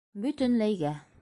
Бөтөнләйгә.